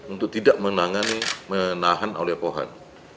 untuk tidak menahan oleh pohon